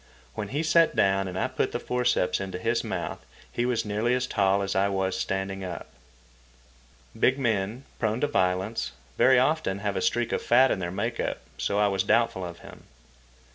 When he sat down and I put the forceps into his mouth, he was nearly as tall as I was standing up. Big men, prone to violence, very often have a streak of fat in their make up, so I was doubtful of him.